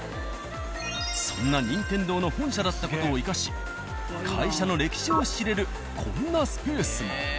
そんな「任天堂」の本社だった事を生かし会社の歴史を知れるこんなスペースも。